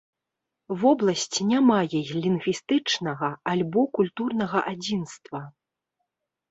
Вобласць не мае лінгвістычнага альбо культурнага адзінства.